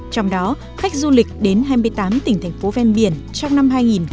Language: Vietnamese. trong đó khách du lịch đến hai mươi tám tỉnh thành phố ven biển trong năm hai nghìn một mươi chín